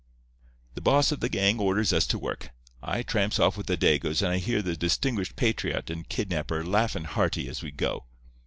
"The boss of the gang orders us to work. I tramps off with the Dagoes, and I hears the distinguished patriot and kidnapper laughin' hearty as we go.